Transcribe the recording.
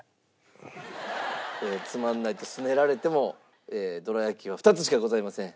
つまんないとすねられてもどら焼きは２つしかございません。